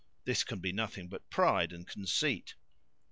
This can be nothing but pride and conceit!"